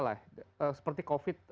lah seperti covid